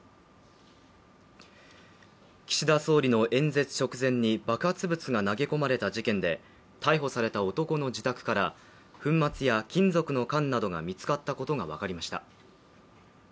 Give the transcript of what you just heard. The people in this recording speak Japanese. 岸田総理の演説直前に爆発物が投げ込まれた事件で逮捕された男の自宅から粉末や金属の缶などが見つかったことが分かりました。